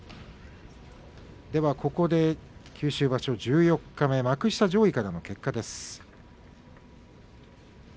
ここで九州場所十四日目の幕下上位の結果です。